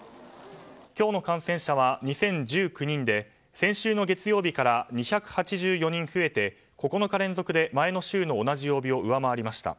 今日の感染者は２０１９人で先週の月曜日から２８４人増えて９日連続で前の週の同じ曜日を上回りました。